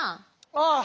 ああ。